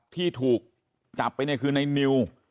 ที่ถูกจับไปคือในนิว